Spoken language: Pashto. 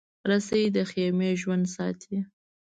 رسۍ د خېمې ژوند ساتي.